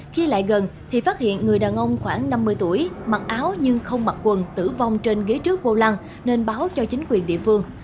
khi lại gần thì phát hiện người đàn ông khoảng năm mươi tuổi mặc áo nhưng không mặc quần tử vong trên ghế trước vô lăng nên báo cho chính quyền địa phương